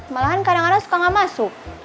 malahan kadang kadang suka gak masuk